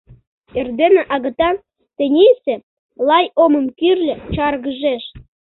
Эрдене агытан, тенийсе, Лай омым кӱрльӧ, чаргыжеш.